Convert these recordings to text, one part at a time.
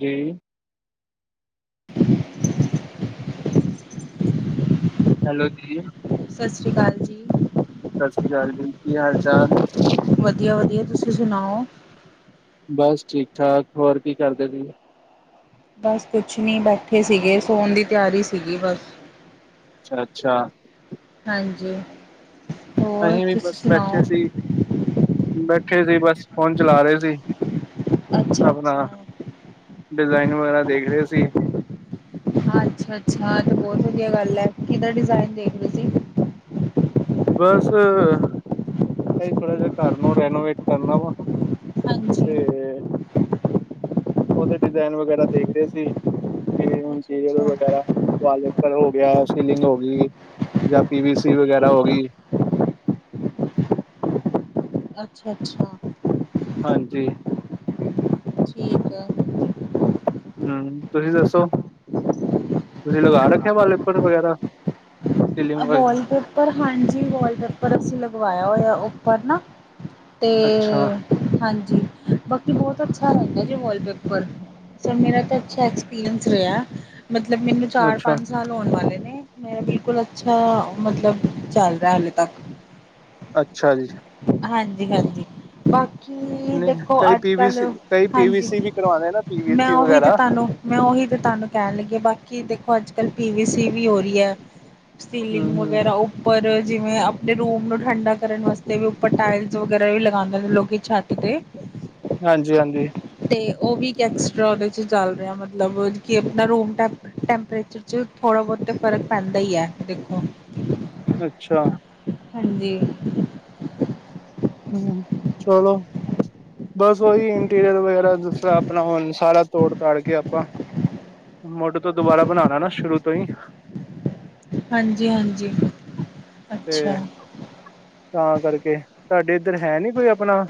ਜੀ। ? ਹੈਲੋ ਜੀ। ਸਤਿ ਸ਼੍ਰੀ ਅਕਾਲ ਜੀ। ਸਤਿ ਸ੍ਰੀ ਅਕਾਲ ਜੀ। ਕੀ ਹਾਲ ਚਾਲ? ਵਧੀਆ- ਵਧੀਆ ਤੁਸੀਂ ਸੁਣਾਓ। ਬਸ ਠੀਕ- ਠਾਕ ਹੋਰ ਕੀ ਕਰਦੇ ਸੀ। ਬਸ ਕੁਛ ਨੀ ਬੈਠੇ ਸੀਗੇ। ਸੋਣ ਦੀ ਤਿਆਰੀ ਸੀਗੀ ਬਸ। ਅੱਛਾ- ਅੱਛਾ। ਹਾਂਜੀ। ਹੋਰ ਅਸੀਂ ਵੀ ਤੁਸੀਂ ਬਸ ਸੁਣਾਓ? ਬੈਠੇ ਸੀ ਬੈਠੇ ਸੀ ਬਸ। ਫੋਨ ਚਲਾ ਰਹੇ ਸੀ। ਅੱਛਾ। ਆਪਣਾ ਅੱਛਾ ਡਿਜ਼ਾਇਨ ਵਗੈਰਾ ਦੇਖ ਰਹੇ ਸੀ। ਹਾਂ ਅੱਛਾ ਅੱਛਾ ਤੇ ਬਹੁਤ ਵਧੀਆ ਗੱਲ ਹੈ। ਕਿੱਦਾ ਡਿਜ਼ਾਇਨ ਦੇਖਦੇ ਤੁਸੀਂ ਬਸ ਕਈ ਥੋੜਾ ਜਿਹਾ ਘਰ ਨੂੰ ਰੈਨੋਵੇਟ ਕਰਨਾ ਵਾ। ਹਾਂਜੀ। ਤੇਮ। ਉਹਦੇ ਡਿਜ਼ਾਇਨ ਵਗੈਰਾ ਦੇਖ ਰਹੇ ਸੀ। ਕਿ ਅੱਛਾ ਇਰੀਅਲ ਅੱਛਾ ਵਗੈਰਾ ਪਰ ਹੋ ਗਿਆ ਸੀਲਿੰਗ ਹੋ ਗਈ। ਜਾਂ ਪੀ ਵੀ ਸੀ ਵਗੈਰਾ ਹੋ ਗਈ। ਅੱਛਾ- ਅੱਛਾ। ਹਾਂਜੀ। ਠੀਕ ਹੈ। ਹਮ ਤੁਸੀਂ ਦੱਸੋ। ਤੁਸੀਂ ਲਗਾ ਰੱਖਿਆ ਵਾਲਪੇਪਰ ਵਗੈਰਾ? ਸੀਲਿੰਗ ਵਗੈਰਾ ਵਾਲਪੇਪਰ ਹਾਂਜੀ ਵਾਲਪੇਪਰ ਅਸੀਂ ਲਗਵਾਇਆ ਹੋਇਆ। ਉੱਪਰ ਨਾਂ ਅਤੇ ਅੱਛਾ, ਹਾਂਜੀ। ਬਾਕੀ ਬਹੁਤ ਅੱਛਾ ਰਹਿੰਦਾ ਜੀ। Wallpaper sir. ਮੇਰਾ ਤਾਂ ਅੱਛਾ ਐਕਸਪੀਰੀਅੰਸ ਰਿਹਾ। ਮਤਲਬ ਮੈਨੂੰ ਚਾਰ - ਅੱਛਾ, ਪੰਜ ਸਾਲ ਹੋਣ ਵਾਲੇ ਨੇ। ਮੇਰਾ ਬਿਲਕੁਲ ਅੱਛਾ ਮਤਲਬ ਚੱਲ ਰਿਹਾ। ਹਾਲੇ ਤੱਕ ਅੱਛਾ ਜੀ। ਹਾਂਜੀ- ਹਾਂਜੀ। ਬਾਕੀ ਨਹੀਂ ਦੇਖੋ ਕਈ ਅੱਜ ਪੀ ਵੀ ਕੱਲ ਸੀ ਕਈ ਪੀ ਵੀ ਹਾਂਜੀ। ਸੀ ਵੀ ਕਰਵਾਉਂਦੇ ਨਾ ਪੀ ਵੀ ਮੈਂ ਸੀ ਉਹੀ ਤੇ ਵਗੈਰਾ ਤੁਹਾਨੂੰ ਮੈਂ ਉਹੀ ਤਾਂ ਤੁਹਾਨੂੰ ਕਹਿਣ ਲੱਗੀ ਹਾਂ। ਬਾਕੀ ਦੇਖੋ ਅੱਜ - ਕੱਲ੍ਹ ਪੀ ਵੀ ਸੀ ਵੀ ਹੋ ਰਹੀ ਹੈ। ਹੂੰ, ਸੀਲਿੰਗ ਹੂੰ ਵਗੈਰਾ। ਉਹ ਪਰ ਜਿਵੇਂ, ਆਪਣੇ ਰੂਮ ਨੂੰ ਠੰਡਾ ਕਰਨ ਵਾਸਤੇ ਉੱਪਰ ਟਾਇਲਸ ਵਗੈਰਾ ਵੀ ਲਗਾਉਂਦੇ ਨੇ। ਲੋਕੀ ਛੱਤ 'ਤੇ'। [inaudible] ਹਾਂਜੀ - ਹਾਂਜੀ। ਤੇ ਉਹ ਵੀ ਇੱਕ ਐਕਸਟਰਾ, ਉਹਦੇ ਚ ਚੱਲ ਰਿਹਾ ਮਤਲਬ ਕਿ ਆਪਣਾ ਰੂਮ ਟੈ ਟੈਂਪਰੇਚਰ। ਥੋੜਾ ਬਹੁਤਾ ਫ਼ਰਕ ਪੈਂਦਾ ਹੀ ਹੈ ਦੇਖੋ। ਅੱਛਾ। ਹਾਂਜੀ। ਹਮ ਚਲੋ। ਬਸ ਉਓਹੀ ਇੰਟੀਰੀਅਰ ਵਗੈਰਾ। ਜਿਸ ਤਰਾ ਆਪਣਾ ਹੋਣ ਸਾਰਾ ਤੋੜ- ਤੜ ਕੇ ਆਪਾਂ ਮੁਢੇ ਤੋਂ ਦੁਬਾਰਾ ਬਣਾਉਣਾ ਨਾ ਸ਼ੁਰੂ ਤੋਂ ਹੀ। ਹਾਂਜੀ- ਹਾਂਜੀ। ਅੱਛਾ। ਤੇ ਤਾਂ ਕਰਕੇ ਤੁਹਾਡੇ ਇੱਧਰ ਹੈ ਨੀ। ਕੋਈ ਆਪਣਾ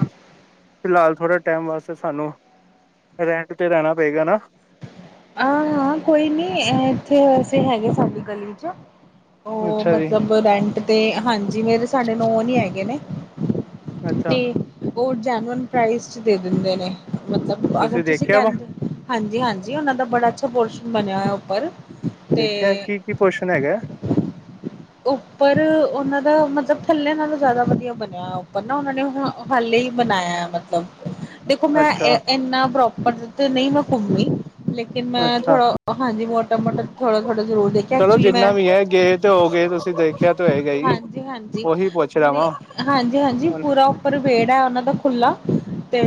ਫਿਲਹਾਲ ਥੋੜੇ ਟਾਈਮ ਵਾਸਤੇ ਸਾਨੂੰ ਰੈਂਟ ਤੇ ਰਹਿਣਾ ਪਏਗਾ ਨਾ। ਹਾਂ - ਹਾਂ ਕੋਈ ਨੀ ਇੱਥੇ ਵੈਸੇ ਹੈਗੇ ਸਾਡੀ ਗਲੀ ਚ। ਉਹ ਅੱਛਾ ਜੀ ਮਤਲਬ ਰੈਂਟ ਤੇ ਹਾਂਜੀ ਫੇ ਸਾਡੇ ਨੋਨ ਹੀ ਹੈਗੇ ਨੇ। ਅੱਛਾ ਤੇ ਉਹ ਜੈਨੂੰਅਨ ਪ੍ਰਾਈਜ਼ ਚ ਦੇ ਦਿੰਦੇ ਨੇ। ਮਤਲਬ ਅਗਰ ਤੁਸੀਂ ਦੇਖਿਆ ਵਾ ਕਹਿੰਦੇ ਹਾਂਜੀ- ਹਾਂਜੀ ਉਹਨਾਂ ਦਾ ਬੜਾ ਅੱਛਾ ਪੋਰ ਬਣਿਆ। ਹੋਆ ਉੱਪਰ ਦੇਖਿਆ ਤੇ ਕੀ - ਕੀ ਪੋਸ਼ਣ ਹੈਗਾ। ਉੱਪਰ ਉਹਨਾਂ ਦਾ ਮਤਲਬ ਥੱਲਿਆਂ ਨਾਲੋਂ ਜ਼ਿਆਦਾ ਵਧੀਆ ਬਣਿਆ। ਉੱਪਰ ਨਾ ਉਹਨਾਂ ਨੇ ਹੁਣ ਉਹ ਹੱਲੇ ਹੀ ਬਣਾਇਆ ਮਤਲਬ। ਦੇਖੋ ਮੈਂ ਅੱਛਾ, ਇੰਨਾ ਪ੍ਰੋਪਰ ਤੇ ਨਹੀਂ। ਮੈਂ ਘੁੰਮੀ ਲੇਕਿਨ ਮੈਂ ਅੱਛਾ ਥੋੜਾ ਹਾਂਜੀ ਮੋਟਾ-ਮੋਟਾ, ਥੋੜਾ-ਥੋੜ੍ਹਾ ਜ਼ਰੂਰ ਦੇਖਿਆ। ਐਕਚੁਲੀ ਮੈਂ ਗੇਟ। [unintelligible] ਤੇ ਹੋ ਗਏ। ਤੁਸੀਂ ਦੇਖਿਆ ਤੇ ਹੋਏਗਾ ਹੀ ਹਾਂਜੀ- ਹਾਂਜੀ। ਉਹੀ ਪੁੱਛ ਰਿਹਾ ਵਾਂ ਹਾਂਜੀ- ਹਾਂਜੀ। ਹੁਣ ਪੂਰਾ ਉੱਪਰ ਵੇੜਾ ਹੈ ਉਹਨਾਂ ਦਾ ਖੁੱਲਾ ਤੇ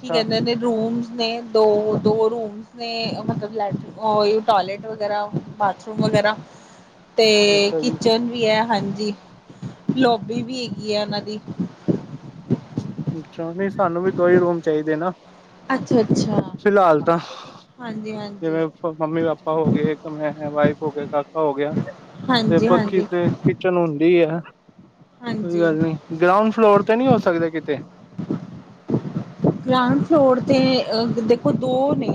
ਕੀ ਕਹਿੰਦੇ ਨੇ। ਰੂਮਸ ਨੇ ਦੋ - ਦੋ ਰੂਮ ਮਤਲਬ ਲੈਨ। ਓ ਇ ਓ ਟੋਇਲੇਟ ਵਗੈਰਾ ਬਾਥਰੂਮ ਵਗੈਰਾ। ਤੇ ਅੱਛਾ ਜੀ ਕਿਚਨ ਵੀ ਹੈ। ਹਾਂਜੀ। ਲੋਬੀ ਵੀ ਹੈਗੀ ਹੈ ਉਹਨਾਂ ਦੀ ਅੱਛਾ, ਸਾਨੂੰ ਵੀ ਦੋ ਹੀ ਰੂਮ ਚਾਹੀਦੇ ਨਾ ਅੱਛਾ-ਅੱਛਾ। ਫਿਲਹਾਲ ਤਾਂ ਹਾਂਜੀ-ਹਾਂਜੀ। ਜਿਵੇਂ ਮੰਮੀ-ਪਾਪਾ ਹੋ ਗਏ, ਇੱਕ ਮੈਂ-ਵਾਈਫ ਹੋ ਗਏ, ਕਾਕਾ ਹੋ ਗਿਆ। ਤੇ ਬਾਕੀ ਹਾਂਜੀ-ਹਾਂਜੀ। ਤੇ ਕਿਚਨ ਹੁੰਦੀ ਏ, ਕੋਈ ਹਾਂਜੀ। ਗੱਲ ਨੀ, ਗਰਾਉਂਡ ਫਲੋਰ ਤੇ ਨੀ ਹੋ ਸਕਦੇ ਕਿਤੇ? ਗਰਾਊਂਡ ਫਲੋਰ ਤੇ ਦੇਖੋ ਦੋ ਨੇ,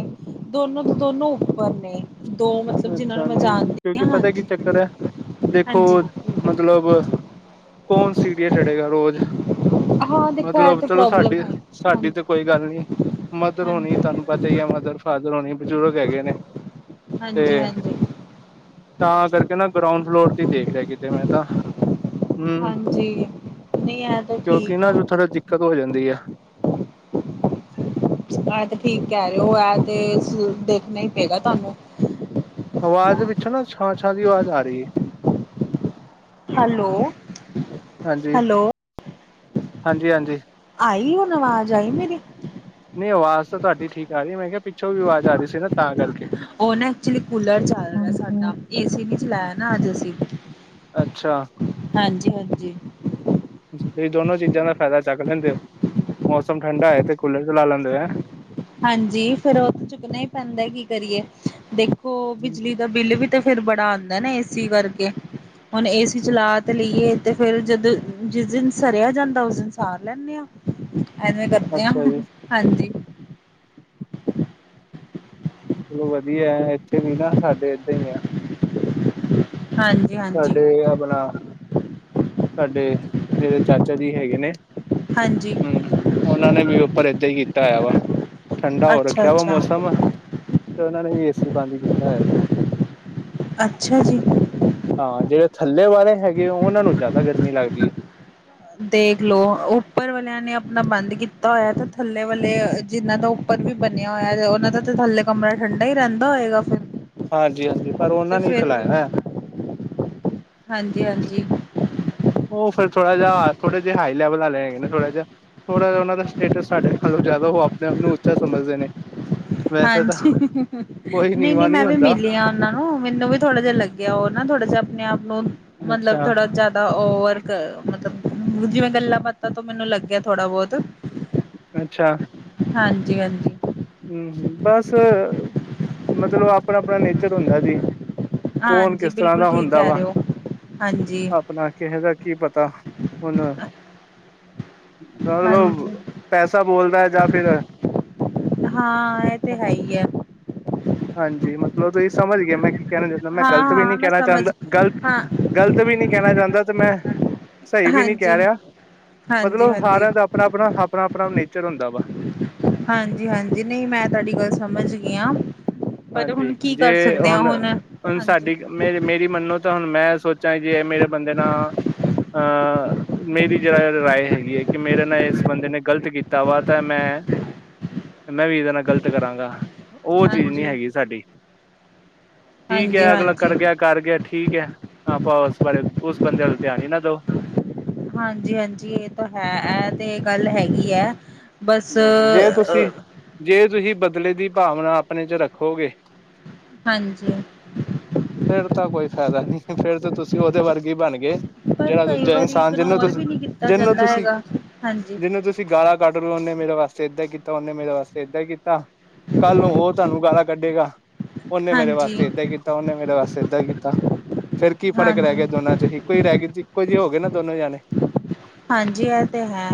ਦੋਨੋ-ਦ-ਦੋਨੋ ਉੱਪਰ ਨੇ। ਦੋ ਮਤਲਬ ਜਿਨਾਂ ਨੂੰ ਅੱਛਾ, ਮੈਂ ਨਈ ਜਾਣਦੀ ਹਾਂ ਕਿਉਂਕਿ ਪਤਾ ਕੀ ਹਾਂਜੀ, ਚੱਕਰ ਹੈ ਦੇਖੋ ਹਾਂਜੀ ਮਤਲਬ ਕੌਣ ਸੀਡੀ ਚੜੇਗਾ ਰੋਜ ਹਾਂ ਦੇਖੋ ਇਹ ਮਤਲਬ, ਤੇ ਚਲੋ ਪ੍ਰੋਬਲਮ ਸਾਡੀੇ ਹੈ ਸਾਡੀ ਤੇ ਹਾਂਜੀ। ਕੋਈ ਗੱਲ ਨੀ, ਮਦਰ ਹੋਣੀ ਹਾਂਜੀ, ਤੁਹਾਨੂੰ ਪਤਾ ਹੀ ਹੈ ਮਦਰ-ਫਾਦਰ ਹੋਣੀ, ਬਜ਼ੁਰਗ ਹੈਗੇ ਨੇ। ਹਾਂਜੀ, ਤੇ ਹਾਂਜੀ ਤਾਂ ਕਰਕੇ ਨਾ ਗਰਾਊਂਡ ਫਲੋਰ ਤੇ ਦੇਖ ਰਿਹਾ ਕਿਤੇ ਮੈਂ ਤਾਂ। ਹੂੰ ਹਾਂਜੀ ਨਹੀਂ ਇਹ ਤਾਂ ਕਿਉਂਕਿ ਠੀਕ ਨਾ ਹੈ। ਥੋੜਾ ਕਦੋਂ ਹੋ ਜਾਂਦੀ ਏ ਆਹ ਤੇ ਠੀਕ ਕਹਿ ਰਹੇ ਹੋ, ਐ ਤੇ ਦੇਖਣਾ ਹੀ ਪਏਗਾ ਤੁਹਾਨੂੰ ਆਵਾਜ਼ ਵਿੱਚੋਂ ਨਾ ਛਾਂ-ਛਾਂ ਦੀ ਆਵਾਜ਼ ਆ ਰਹੀ ਐ। ਹੈਲੋ-ਹੈਲੋ। ਹਾਂਜੀ-ਹਾਂਜੀ। ਆਈ ਹੁਣ ਆਵਾਜ਼ ਆਈ ਮੇਰੀ? ਨੀ ਆਵਾਜ਼ ਤਾਂ ਤੁਹਾਡੀ ਠੀਕ ਆ ਰਹੀ, ਮੈਂ ਕਿਹਾ ਪਿੱਛੋਂ ਵੀ ਆਵਾਜ਼ ਆ ਰਹੀ ਸੀ ਨਾ ਤਾਂ ਕਰਕੇ। ਉਹ ਨਾ ਐਕਚੁਲੀ ਕੂਲਰ ਚੱਲ ਰਿਹਾ ਹੂੰ ਸਾਡਾ, ਹੂੰ ਏਸੀ ਨੀ ਚਲਾਇਆ ਨਾ ਅੱਜ ਅਸੀਂ। ਅੱਛਾ। ਹਾਂਜੀ-ਹਾਂਜੀ। ਤੁਸੀਂ ਦੋਨੋ ਚੀਜ਼ਾਂ ਦਾ ਫਾਇਦਾ ਚੱਕ ਲੈਂਦੇ ਹੋ, ਮੌਸਮ ਠੰਡਾ ਹੋਏ ਤੇ ਕੂਲਰ ਚਲਾ ਲੈਂਦੇ ਓ ਹੈਂ। ਹਾਂਜੀ ਫਿਰ ਉਹ ਤਾਂ ਚੁੱਕਣਾ ਹੀ ਪੈਂਦਾ ਕੀ ਕਰੀਏ ਦੇਖੋ, ਬਿਜਲੀ ਬਿਜਲੀ ਦਾ ਬਿੱਲ ਵੀ ਤਾਂ ਫਿਰ ਬੜਾ ਆਂਦਾ ਨਾ ਏਸੀ ਕਰਕੇ। ਹੁਣ ਏਸੀ ਚਲਾ ਤੇ ਲਈਏ ਤੇ ਫੇਰ, ਜਦ ਜਿਸ ਦਿਨ ਸਰਿਆ ਜਾਂਦਾ ਉਸ ਦਿਨ ਸਾਰ ਲੈਂਦੇ ਹਾਂ ਐਵੇਂ ਕਰਦੇ ਆਂ, ਅੱਛਾ ਜੀ ਹਾਂਜੀ। ਚਲੋ ਵਧੀਆ ਐ। ਇੱਥੇ ਵੀ ਨਾ ਸਾਡੇ ਏਦਾਂ ਹੀ ਏ। ਹਾਂਜੀ। ਹਾਂਜੀ ਸਾਡੇ ਆਪਣਾ, ਸਾਡੇ ਜਿਹੜੇ ਚਾਚਾ ਜੀ ਹੈਗੇ ਨੇ ਹਾਂਜੀ। ਹਮ, ਉਹਨਾਂ ਨੇ ਵੀ ਉੱਪਰ ਏਦਾਂ ਹੀ ਕੀਤਾ ਹੋਆ ਵਾ, ਠੰਡਾ ਹੋ ਅੱਛਾ ਰੱਖਿਆ ਵਾ ਅੱਛਾ ਮੌਸਮ ਤੇ ਉਹਨਾਂ ਨੇ ਵੀ ਏ ਸੀ ਬੰਦ ਕੀਤਾ ਹੈਆ ਜੀ। ਅੱਛਾ ਜੀ। ਹਾਂ ਜਿਹੜੇ ਥੱਲੇ ਵਾਲੇ ਹੈਗੇ ਉਹਨਾਂ ਨੂੰ ਜ਼ਿਆਦਾ ਗਰਮੀ ਲੱਗਦੀ। ਦੇਖਲੋ ਉੱਪਰ ਵਾਲਿਆਂ ਨੇ ਆਪਣਾ ਬੰਦ ਕੀਤਾ ਹੋਇਆ, ਤਾਂ ਥੱਲੇ ਵਾਲੇ ਜਿੰਨਾ ਨੁ ਉੱਪਰ ਵੀ ਬਣਿਆ ਹੋਇਆ, ਉਹਨਾਂ ਦਾ ਤਾਂ ਥੱਲੇ ਕਮਰਾ ਠੰਡਾ ਹੀ ਰਹਿੰਦਾ ਹੋਏਗਾ ਫਿਰ? ਹਾਂਜੀ-ਹਾਂਜੀ ਪਰ ਉਹਨਾਂ ਨੇ ਚਲਾਇਆ ਹੋਇਆ। ਹਾਂਜੀ-ਹਾਂਜੀ। ਉਹ ਫਿਰ ਥੋੜਾ ਜਾ ਥੋੜਾ ਜਹੇ ਹਾਈ ਲੈਵਲ ਆਲੇ ਹੈਗੇ ਨਾ ਥੋੜਾ ਜਾ। ਥੋੜ੍ਹਾ ਜਿਹਾ ਉਹਨਾਂ ਦਾ ਸਟੇਟਸ ਸਾਡੇ ਨਾਲੋਂ ਜ਼ਿਆਦਾ, ਉਹ ਆਪਣੇ ਆਪ ਨੂੰ ਉੱਚਾ ਸਮਝਦੇ ਨੇ। ਵੈਸੇ ਤਾਂ ਹਾਂਜੀ, ਕੋਈ ਨਈ ਨਈ ਨੀਵਾਂ ਨਹੀਂ ਮੈਂ ਵੀ ਹੁੰਦਾ ਮਿਲੀਆਂ। ਉਹਨਾਂ ਨੂੰ, ਮੈਨੂੰ ਵੀ ਥੋੜਾ ਜਿਹਾ ਲੱਗਿਆ ਉਹ ਨਾ ਥੋੜਾ ਜਿਹਾ ਆਪਣੇ ਆਪ ਨੂੰ ਮਤਲਬ ਅੱਛਾ ਥੋੜਾ ਜ਼ਿਆ ਓਵਰਕ ਕ ਮਤਲਬ ਜਿਵੇਂ ਗੱਲਾਂ ਬਾਤਾਂ ਤੋਂ ਮੈਨੂੰ ਲੱਗਿਆ ਥੋੜਾ ਬੋਤ। ਅੱਛਾ। ਹਾਂਜੀ-ਹਾਂਜੀ। ਹੂੰ ਬਸ ਮਤਲਬ ਆਪਣਾ-ਆਪਣਾ ਨੇਚਰ ਹੁੰਦਾ ਜੀ। ਕੌਣ ਹਾਂਜੀ ਕਿਸ ਤਰ੍ਹਾਂ ਬਿਲਕੁਲ ਦਾ ਠੀਕ ਹੁੰਦਾ ਕਹਿ ਵਾ। ਰਹੇ ਹੋ ਹਾਂਜੀ ਆਪਣਾ ਕਿਸ ਦਾ ਕੀ ਪਤਾ ਹੁਣ ਮਤਲਬ ਹਾਂਜੀ ਪੈਸਾ ਬੋਲਦਾ ਹੈ ਜਾਂ ਫਿਰ ਹਾਂ, ਇਹ ਤੇ ਹੈ ਈ ਐ। ਹਾਂਜੀ, ਮਤਲਬ ਤੁਸੀਂ ਸਮਝ ਗਏ, ਮੈਂ ਕੀ ਕਹਿਣਾ ਚਾਹੁੰਦਾ, ਮੈਂ ਹਾਂ ਗਲਤ ਵੀ ਹਾਂ ਨਹੀਂ ਮੈਂ ਕਹਿਣਾ ਚਾਹੰਦਾ ਸਮਝ ਗ਼ਲਤ ਹਾਂ ਗ਼ਲਤ ਵੀ ਨਹੀਂ ਕਹਿਣਾ ਚਾਹੁੰਦਾ ਤੇ ਮੈਂ ਸਹੀ ਵੀ ਨੀ ਕਹਿ ਰਿਹਾ। ਮਤਲਬ ਹਾਂਜੀ-ਹਾਂਜੀ। ਸਾਰਿਆਂ ਦਾ ਆਪਣਾ-ਆਪਣਾ, ਆਪਣਾ-ਆਪਣਾ ਨੇਚਰ ਹੁੰਦਾ ਵਾ। ਹਾਂਜੀ-ਹਾਂਜੀ, ਨਈ ਮੈਂ ਤੁਹਾਡੀ ਗੱਲ ਸਮਝ ਗਈ ਆ। ਹਾਂਜੀ ਜੇ ਹੁਣ, ਹੁਣ ਹਾਂਜੀ ਸਾਡੀ ਮੇਰੀ ਮੇਰੀ ਮੰਨੋ ਤਾਂ ਹੁਣ ਮੈਂ ਸੋਚਾਂ ਜੇ ਮੇਰੇ ਬੰਦੇ ਨਾਲ ਅਹ ਮੇਰੀ ਜਿਹੜੀ ਰਾਏ ਹੈਗੀ ਏ ਕਿ ਮੇਰੇ ਨਾਲ ਇਸ ਬੰਦੇ ਨੇ ਗ਼ਲਤ ਕੀਤਾ ਵਾ ਤਾਂ ਮੈਂ ਮੈਂ ਵੀ ਇਹਦੇ ਨਾਲ ਗ਼ਲਤ ਕਰਾਂਗਾ। ਉਹ ਚੀਜ਼ ਨੀ ਹਾਂਜੀ ਹੈਗੀ ਸਾਡੀ, ਠੀਕ ਹਾਂਜੀ ਐ ਅਗਲਾ ਹਾਂਜੀ ਕਰ ਗਿਆ। ਕਰ ਗਿਆ ਠੀਕ ਐ, ਹਾਂ ਆਪਾਂ ਉਸ ਬਾਰੇ, ਉਸ ਬੰਦੇ ਵੱਲ ਧਿਆਨ ਹੀ ਨਾ ਦਓ। ਹਾਂਜੀ-ਹਾਂਜੀ, ਇਹ ਤਾਂ ਹੈ ਏਹ ਤੇ ਗੱਲ ਹੈਗੀ ਐ। ਜੇ ਬਸ‌‌ਅਹ ਤੁਸੀਂ ਅ ਜੇ ਤੁਸੀਂ ਬਦਲੇ ਦੀ ਭਾਵਨਾ ਆਪਣੇ ਚ ਰੱਖੋਗੇ ਹਾਂਜੀ। ਫਿਰ ਤਾਂ ਕੋਈ ਫਾਇਦਾ ਨੀ ਫਿਰ ਤਾਂ ਤੁਸੀਂ ਉਹਦੇ ਵੱਰਗੇ ਬਣ ਗਏ। ਪਰ ਜਿਹੜਾ ਕਈ ਦੂਜਾ ਵਾਰੀ ਇਨਸਾਨ, ਜਿਹਨੂੰ ਇਗਨੋਰ ਤੁਸੀਂ, ਵੀ ਨਹੀਂ ਕੀਤਾ ਜਿਹਨੂੰ ਜਾਂਦਾ ਤੁਸੀਂ ਹੈਗਾ ਹਾਂਜੀ ਜਿਹਨੂੰ ਤੁਸੀਂ ਗਾਲਾ ਕੱਢਦੇ ਉਹਨੇ ਮੇਰੇ ਵਾਸਤੇ ਏਦਾਂ ਕੀਤਾ, ‌ਉਹਨੇ ਮੇਰੇ ਵਾਸਤੇ ਏਦਾਂ ਕੀਤਾ। ਕੱਲ ਨੂੰ ਉਹ ਤੁਹਾਨੂੰ ਗਾਲਾ ਕੱਢੇਗਾ। ਉਹਨੇ ਮੇਰੇ ਹਾਂਜੀ ਵਾਸਤੇ ਏਦਾਂ ਹੀ ਕੀਤਾ, ਉਹਨੇ ਮੇਰੇ ਵਾਸਤੇ ਏਦਾਂ ਹੀ ਕੀਤਾ ਫਿਰ ਕੀ ਫ਼ਰਕ ਰਹਿ ਗਿਆ ਹਾਂਜੀ ਦੋਨਾਂ ਚ ਹੀ। ਫਿਰ ਰਹਿ ਗੇ, ਇੱਕੋ ਜਿਹੇ ਹੋ ਗਏ ਨਾ ਦੋਨੋਂ ਜਾਣੇ। ਹਾਂਜੀ, ਇਹ ਤੇ ਹੈ।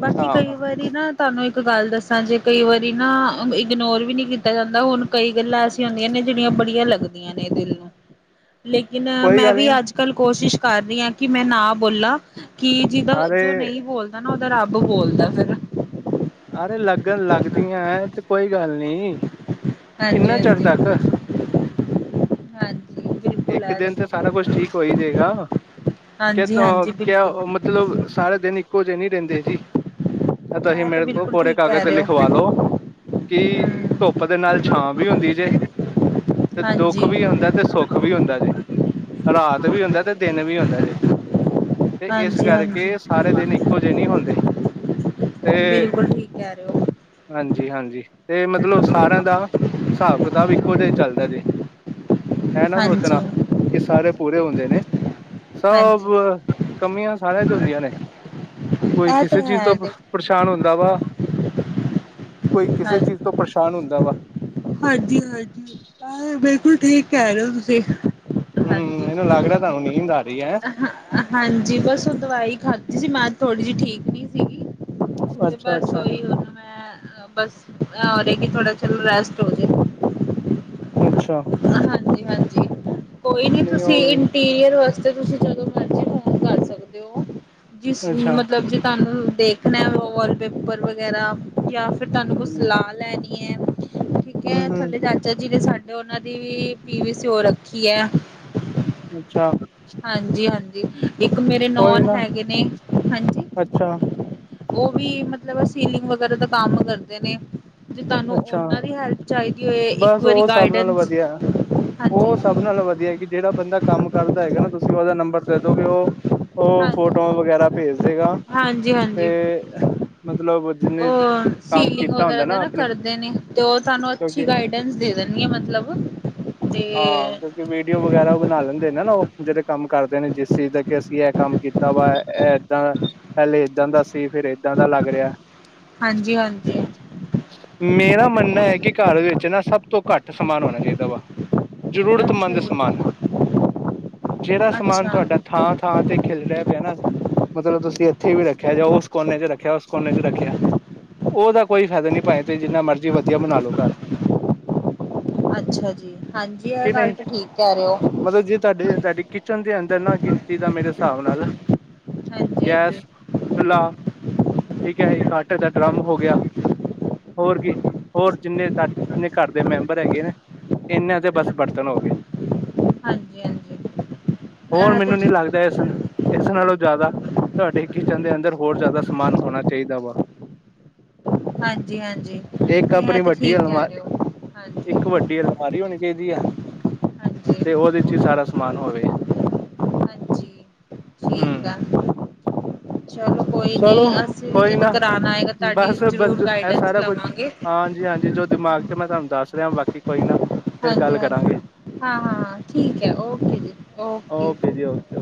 ਬਾਕੀ ਕਈ ਹਾਂ ਵਾਰੀ ਤੇ ਨਾ ਤੁਹਾਨੂੰ ਇੱਕ ਗੱਲ ਦੱਸਾਂ, ਜੇ ਕਈ ਵਾਰੀ ਨਾ ਇਗਨੋਰ ਵੀ ਨਈ ਕੀਤਾ ਜਾਂਦਾ ਹੁਣ ਕਈ ਗੱਲਾਂ ਐਸੀੀਆਂ ਹੁੰਦੀਆਂ ਨੇ, ਜਿਹੜੀਆਂ ਬੜੀਆਂ ਲੱਗਦੀਆਂ ਨੇ ਦਿਲ ਨੂੰ ਲੇਕਿਨ ਕੋਈ ਮੈਂ ਗੱਲ ਵੀ ਨੀ ਅੱਜ-ਕੱਲ੍ਹ ਕੋਸ਼ਿਸ਼ ਕਰ ਰਹੀ ਹਾਂ ਕਿ ਮੈਂ ਨਾ ਬੋਲਾਂ। ਕਿ ਜਿਦਾ ਜੋ ਅਰੇ ਨਹੀਂ ਬੋਲਦਾ ਨਾ, ਉਹਦਾ ਰੱਬ ਬੋਲਦਾ ਫਿਰ। ਆਰੇ ਲੱਗਣ ਲੱਗਦੀਆਂ ਏ ਤੇ ਕੋਈ ਗੱਲ ਨੀ, ਹਾਂਜੀ ਕਿੰਨਾ ਚਿਰ ਹਾਂਜੀ ਤੱਕ ਹਾਂਜੀ ਬਿਲਕੁਲ ਇੱਕ ਹੈ ਦਿਨ ਤੇ ਸਾਰਾ ਕੁਝ ਠੀਕ ਹੋ ਹੀ ਜਾਏਗਾ। ਹਾਂਜੀ ਕਿਤੋਂ ਹਾਂਜੀ ਬਿਲਕੁਲ ਕਿਉਂ ਮਤਲਬ ਸਾਰੇ ਦਿਨ ਇੱਕੋ ਜਿਹੇ ਨੀ ਰਹਿੰਦੇ ਜੀ। ਤਾਂ ਹੀ ਇਹ ਮੇਰੇ ਤੋ ਬਿਲਕੁਲ ਕੋਰੇ ਠੀਕ ਕਾਗਜ਼ ਕਹਿ ਤੇ ਰਹੇ ਹੋ ਲਿਖਵਾਲੋ ਕਿ ਹਮ ਧੁੱਪ ਦੇ ਨਾਲ ਛਾਂ ਵੀ ਹੁੰਦੀ ਜੇ ਤੇ ਦੁੱਖ ਹਾਂਜੀ ਵੀ ਹੁੰਦਾ ਤੇ ਸੁੱਖ ਵੀ ਹੁੰਦਾ ਜੇ। ਰਾਤ ਵੀ ਹੁੰਦਾ ਤੇ ਦਿਨ ਵੀ ਹੁੰਦਾ ਜੇ। ਤੇ ਇਸ ਹਾਂਜੀ ਹਾਂਜੀ ਕਰਕੇ ਸਾਰੇ ਦਿਨ ਇੱਕੋ ਜਿਹੇ ਨਈ ਹੁੰਦੇ ਤੇ ਕੈਣ‌ ਨੂੰ ਹਾਂਜੀ-ਹਾਂਜੀ ਤੇ ਮਤਲਬ ਸਾਰਿਆਂ ਦਾ ਹਿਸਾਬ ਕਿਤਾਬ ਇੱਕੋ ਤੇ ਚੱਲਦਾ ਜੇ। ਐ ਨਾ ਸੋਚਣਾ ਹਾਂਜੀ ਕਿ, ਸਾਰੇ ਪੂਰੇ ਹੁੰਦੇ ਨੇ ਸਭ, ਹਾਂਜੀ ਕਮੀਆਂ ਸਾਰਿਆਂ ਵਿੱਚ ਹੁੰਦੀਆਂ ਨੇ। ਕੋਈ ਇਹ ਤੇ ਕਿਸੇ ਚੀਜ਼ ਹੈ ਤੋਂ ਦੇਖੋ ਪਰੇਸ਼ਾਨ ਹੁੰਦਾ ਵਾਂ। [inaudible] ਕੋਈ ਕਿਸੇ ਚੀਜ਼ ਹਾਂਜੀ। ਤੋਂ ਪਰੇਸ਼ਾਨ ਹੁੰਦਾ ਵਾ। ਹਾਂਜੀ-ਹਾਂਜੀ, ਬਿਲਕੁਲ ਠੀਕ ਕਹਿ ਰਹੇ ਹੋ ਤੁਸੀਂ। ਹੂੰ, ਮੈਨੂੰ ਲੱਗ ਰਿਹਾ ਤਹਾਨੂੰ ਨੀਂਦ ਆ ਰਹੀ ਐ। ਹਾਂ ਹਾਂਜੀ, ਬਸ ਉਹ ਦਵਾਈ ਖਾਧੀ ਸੀ। ਮੈਂ ਥੋੜ੍ਹੀ ਜਿਹੀ ਠੀਕ ਨੀ ਸੀਗੀ। ਤੇ ਅੱਛਾ ਬਸ ਅੱਛਾ ਉਹੀ ਹੁਣ ਮੈਂ। ਬਸ ਔਰ ਇਹ ਕਿ ਥੋੜਾ ਚਲੋ ਰੈਸਟ ਹੋ ਜੇ ਅੱਛਾ। ਹਾਂਜੀ-ਹਾਂਜੀ, ਕੋਈ ਨੀ ਨਹੀਂ ਉਹ ਤੁਸੀਂ ਵੀ ਕੇਅਰ ਵਾਸਤੇ ਤੁਸੀਂ ਜਿਨ੍ਹੂ ਮਰਜੀ ਫੋਨ ਕਰ ਸਕਦੇ ਹੋ। ਜਿਸ ਅੱਛਾ ਮਤਲਬ ਜੇ ਤੁਹਾਨੂੰ ਦੇਖਣਾ ਵਾਲਪੇਪਰ ਵਗੈਰਾ। ਜਾਂ ਫਿਰ ਤੁਹਾਨੂੰ ਕੋਈ ਹਮ ਸਲਾਹ ਲੈਣੀ ਹੈ, ਠੀਕ ਹੈ ਹਮ ਥੱਲੇ ਜਾ ਕੇ ਚਚਾਜੀ ਨੇ ਸਾਡੇ ਉਹਨਾਂ ਦੀ ਪੀ ਵੀ ਸੀ ਹੋ ਰੱਖੀ ਹੈ। ਅੱਛਾ। ਹਾਂਜੀ-ਹਾਂਜੀ, ਇੱਕ ਮੇਰੇ ਕੋਈ ਨੌਨ ਨਾ ਹੈਗੇ ਨੇ, ਹਾਂਜੀ ਅੱਛਾ। ਉਹ ਵੀ ਮਤਲਬ ਸੀਲਿੰਗ ਵਗੈਰਾ ਦਾ ਕੰਮ ਕਰਦੇ ਨੇ। ਤੇ ਤੁਹਾਨੂੰ ਅੱਛਾ ਉਹਨਾਂ ਦੀ ਹੈਲਪ ਚਾਹੀਦੀ ਹੋਏ, ਇੱਕ ਬਸ ਵਾਰੀ ਉਹ ਸਭ ਨਾਲੋਂ ਗਾਈਂਡਸ ਵਧੀਆ ਉਹ ਸਭ ਨਾਲ ਵਧੀਆ ਹੈ, ਕਿ ਜਿਹੜਾ ਬੰਦਾ ਕੰਮ ਕਰਦਾ ਹੈਗਾ ਨਾ, ਤੁਸੀਂ ਉਹਦਾ ਨੰਬਰ ਦੇ ਦੋਗੇ ਉਹ ਉਹ ਹਾਂਜੀ ਫੋਟੋਆਂ ਵਗੈਰਾ ਭੇਜ ਦੇਗਾ। ਤੇ ਹਾਂਜੀ-ਹਾਂਜੀ ਮਤਲਬ ਜਿੰਨੇ ਉਹ ਕੰਮ ਸੀਲਿੰਗ ਕੀਤਾ ਵਗੈਰਾ ਹੁੰਦਾ ਦਾ ਨਾ ਆਪਣੀ ਕਰ ਨੇ ਤੇ ਉਹ ਤੁਾਨੂੰ ਕਿਉਂਕਿ ਅੱਛੀ ਗਾਈਡੈਂਸ ਦੇ ਦੇਣਗੇ ਮਤਲਬ ਤੇ ਹਾਂ ਕਿਉਂਕਿ ਵੀਡੀਓ ਵਗੈਰਾ ਬਣਾ ਲੈਂਦੇ ਨੇ ਨਾ ਨਾ ਉਹ ਜਿਹੜੇ ਕੰਮ ਕਰਦੇ ਨੇ, ਜਿਸ ਚੀਜ਼ ਦਾ ਕਿ ਅਸੀਂ ਇਹ ਕੰਮ ਕੀਤਾ ਹੋਯਾ ਇਹ ਇਦਾਂ ਦਾ ਪਹਿਲੇ ਏਦਾਂ ਦਾ ਸੀ ਫਿਰ ਏਦਾਂ ਦਾ ਲੱਗ ਰਿਹਾ। ਹਾਂਜੀ-ਹਾਂਜੀ। ਮੇਰਾ ਮੰਨਣਾ ਹੈ ਕਿ ਘਣਰ ਵਿੱਚ ਨਾ ਸਭ ਤੋਂ ਘੱਟ ਸਮਾਨ ਹੋਣਾ ਚਾਹੀਦਾ ਵਾ। ਅੱਛਾ ਜ਼ਰੂਰਤਮੰਦ ਜੀ ਸਮਾਨ ਜਿਹੜਾ ਸਮਾਨ ਅੱਛਾ ਤੁਹਾਡਾ ਥਾਂ-ਥਾਂ ਤੇ ਖਿਲ ਰਿਹਾ ਪਿਆ ਨਾ ਮਤਲਬ ਤੁਸੀਂ ਇੱਥੇ ਵੀ ਰੱਖਿਆ ਜਾ ਉਸ ਕੋਨੇ ਚ ਰੱਖਿਆ ਉਸ ਕੋਨੇ ਚ ਰੱਖਿਆ। ਉਹਦਾ ਕੋਈ ਫਾਇਦਾ ਨੀ ਭਾਵੇਂ, ਤੁਸੀਂ ਜਿੰਨਾ ਮਰਜ਼ੀ ਵਧੀਆ ਬਣਾ ਲੋ ਘੱਰ। ਅੱਛਾ ਜੀ, ਹਾਂਜੀ ਇਹ ਕਿ ਗੱਲ ਨਹੀਂ ਤੇ ਠੀਕ ਕੈ ਰਹੇ ਹੋ। ਮਤਲਬ ਜੇ ਤੁਹਾਡੇ ਤੁਹਾਡੀ ਕਿਚਨ ਦੇ ਅੰਦਰ ਨਾ ਗਿਣਤੀ ਦਾ ਮੇਰੇ ਹਿਸਾਬ ਨਾਲ ਗੈਸ ਹਾਂਜੀ-ਹਾਂਜੀ ਚੁਲਾ ਠੀਕ ਹੈ ਇਕ ਆਟੇ ਦਾ ਡਰੱਮ ਹੋ ਗਿਆ। ਹੋਰ ਕੀ ਹੋਰ ਜਿੰਨੇ ਜਿੰਨੇ ਘਰ ਦੇ ਮੈਂਬਰ ਹੈਗੇ ਨੇ ਇਨਾਂ ਦੇ ਬਸ ਬਰਤਨ ਹੋ ਗਏ। ਹਾਂਜੀ-ਹਾਂਜੀ। ਹੋਰ ਇਹ ਤੇ ਮੈਨੂੰ ਨੀ ਠੀਕ ਲੱਗਦਾ ਐਸਾ। ਇਸ ਨਾਲੋਂ ਜ਼ਿਆਦਾ ਤੁਹਾਡੇ ਕਿਚਨ ਦੇ ਅੰਦਰ ਹੋਰ ਜ਼ਿਆਦਾ ਸਮਾਨ ਹੋਣਾ ਚਾਹੀਂਦਾ ਵਾਂ। ਹਾਂਜੀ-ਹਾਂਜੀ। ਇੱਕ ਨਹੀਂ ਇਹ ਆਪਣੀ ਤੇ ਵੱਡੀ ਠੀਕ ਕਹਿ ਰਹੇ ਅਲਮਾਰੀ ਹੋ ਇੱਕ ਹਾਂਜੀ-ਹਾਂਜੀ ਵੱਡੀ ਅਲਮ ਮਾਰੀ ਹੋਣੀ ਚਾਹੀਦੀ ਹੈ। ਤੇ ਉਹਦੇ ਚ ਹੀ ਸਾਰਾ ਸਮਾਨ ਹੋਵੇ। ਜੀ ਠੀਕ ਹਮ ਹੈ। ਚਲੋ ਨੀ ਅਸੀਂ ਵੀ ਕੋਈ ਜਦੋਂ ਨਾ ਕਰਾਉਣ ਆਏਗਾ ਤੁਹਾਡੀ ਬਸ-ਬਜ ਜ਼ਰੂਰ ਇਹ ਗਾਈਡੈਂਸ ਸਾਰਾ ਕੁੱਛ ਲਵਾਂਗੇ ਹਾਂਜੀ-ਹਾਂਜੀ ਜੋ ਦਿਮਾਗ ਚੋ ਮੈਂ ਤੁਹਾਨੂੰ ਦੱਸ ਰਿਹਾ ਬਾਕੀ ਕੋਈ ਨਾ। ਫਿਰ ਗੱਲ ਕਰਾਂਗੇ ਹਾਂਜੀ-ਹਾਂਜੀ, ਹਾਂ-ਹਾਂ ਠੀਕ ਹੈ। ਓਕੇ ਜੀ ਓਕੇ। ਚ